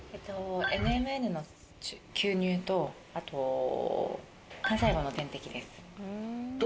ＮＭＮの吸入とあと幹細胞の点滴です。